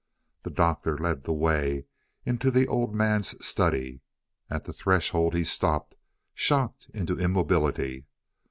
The Doctor led the way into the old man's study. At the threshold he stopped, shocked into immobility.